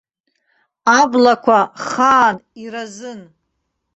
Аблақәа хаан, иразын.